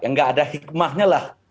yang tidak ada hikmahnya